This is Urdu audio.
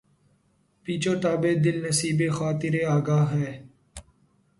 پیچ و تابِ دل نصیبِ خاطرِ آگاہ ہے